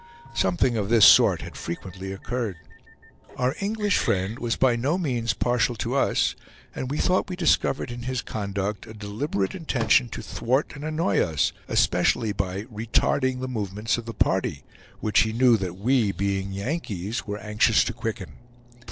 Something of this sort had frequently occurred. Our English friend was by no means partial to us, and we thought we discovered in his conduct a deliberate intention to thwart and annoy us, especially by retarding the movements of the party, which he knew that we, being Yankees, were anxious to quicken.